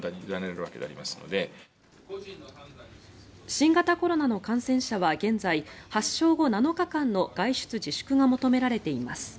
新型コロナの感染者は現在、発症後７日間の外出自粛が求められています。